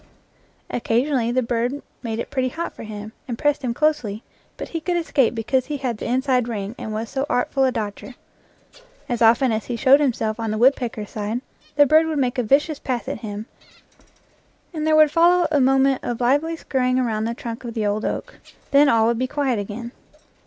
Occasionally the bird made it pretty hot for him, and pressed him closely, but he could escape because he had the inside ring, and was so artful a dodger. As often as he showed himself on the woodpecker's side, the bird would make a vicious pass at him; and there would follow a moment of lively skurrying around the trunk of the old oak; then all would be quiet again.